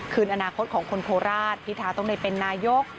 คืนอนาคตของคนโคราชพิทาต้องได้เป็นนายก